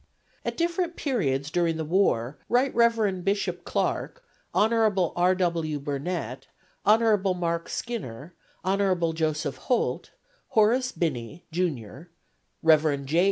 At different periods during the war Rt. Rev. Bishop Clark, Hon. R. W. Burnet, Hon. Mark Skinner, Hon. Joseph Holt, Horace Binney, Jr., Rev. J.